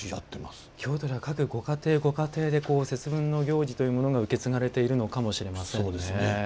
京都では各ご家庭で節分の行事というものが受け継がれているのかもしれませんね。